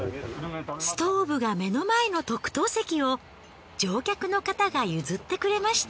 ストーブが目の前の特等席を乗客の方が譲ってくれました。